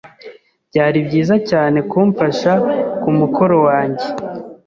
Byari byiza cyane kumfasha kumukoro wanjye.